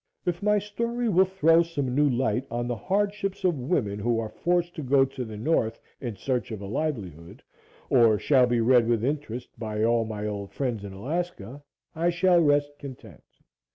If my story will throw some new light on the hardships of women who are forced to go to the North in search of a livelihood or shall be read with interest by all my old friends in Alaska, I shall rest content.